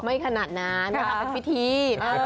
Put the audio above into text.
ไม่ขนาดนั้นนะครับเป็นพิธี